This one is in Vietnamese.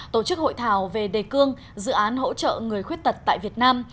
tổ chức hội thảo về đề cương dự án hỗ trợ người khuyết tật tại việt nam